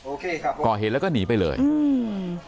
โอเคครับก่อเห็นแล้วก็หนีไปเลยอืม